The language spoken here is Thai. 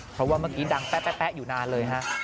เพราะว่าเมื่อกี้ดังแป๊ะอยู่นานเลยฮะ